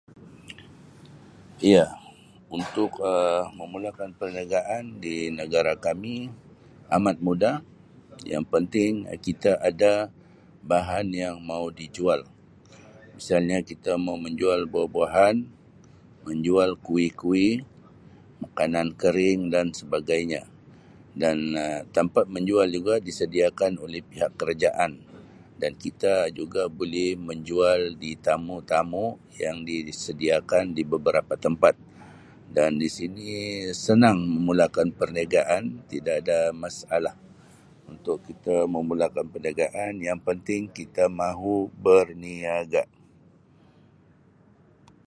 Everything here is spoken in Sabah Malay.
Iya, untuk Um memulakan perniagaan di negara kami amat mudah yang penting kita ada bahan yang mau dijual misalnya kita mau menjual buah-buahan menjual kuih-kuih makanan kering dan sebagainya dan Um tampat menjual juga disediakan oleh pihak kerajaan dan kita juga buli menjual di tamu-tamu yang disediakan di beberapa tempat dan di sini senang memulakan perniagaan tida da masalah untuk kita memulakan perniagaan yang penting kita mahu berniaga.